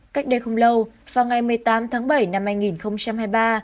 cách đây không lâu vào ngày một mươi tám tháng bảy năm hai nghìn hai mươi ba